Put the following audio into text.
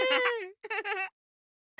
フフフ。